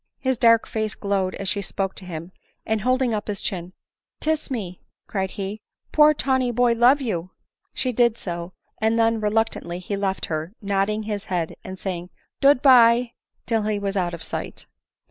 His dark face glowed as she spoke to him, and holding up his chin, " Tiss me !" cried he, " poor tawny boy love you !" She did so ; and then, reluctantly, he left her, nodding his head, and saying, " Dood bye," till he was out of sight.